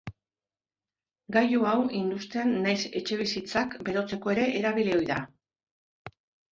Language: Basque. Gailu hau industrian nahiz etxebizitzak berotzeko ere erabili ohi da.